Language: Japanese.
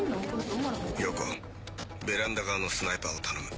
ヨウコベランダ側のスナイパーを頼む。